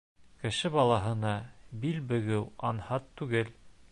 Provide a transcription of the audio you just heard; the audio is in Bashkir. — Кеше балаһына бил бөгөү анһат түгел!